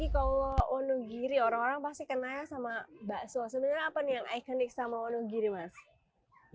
kalau wonogiri orang orang pasti kenal sama bakso sebenarnya apa nih yang ikonik sama wonogiri mas